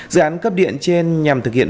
dự án cấp điện trên nhằm thực hiện